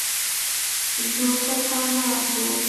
زوړ سلطان ناست وو.